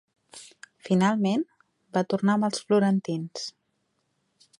Finalment, va tornar amb els florentins.